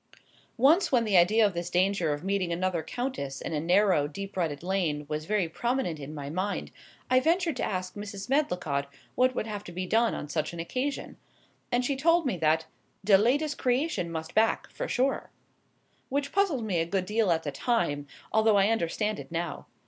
Once when the idea of this danger of meeting another countess in a narrow, deep rutted lane was very prominent in my mind I ventured to ask Mrs. Medlicott what would have to be done on such an occasion; and she told me that "de latest creation must back, for sure," which puzzled me a good deal at the time, although I understand it now.